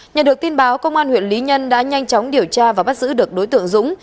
nhận được tin báo công an huyện lý nhân đã nhanh chóng điều tra và bắt giữ được đối tượng dũng